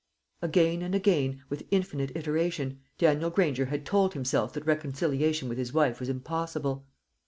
Again and again, with infinite iteration, Daniel Granger had told himself that reconciliation with his wife was impossible.